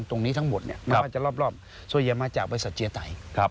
ตรงนี้ทั้งหมดมันปลอดภัทรเจ้าเลียมาจากอเวสถ์เจียไต